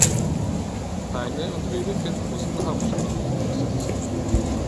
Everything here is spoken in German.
Heine und Wedekind mussten Haftstrafen absitzen.